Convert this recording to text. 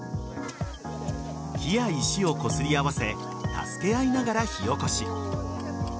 木や石をこすり合わせ助け合いながら火おこし。